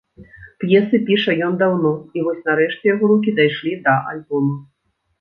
П'есы піша ён даўно, і вось нарэшце яго рукі дайшлі да альбома.